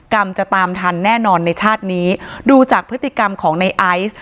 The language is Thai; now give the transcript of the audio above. กรรมจะตามทันแน่นอนในชาตินี้ดูจากพฤติกรรมของในไอซ์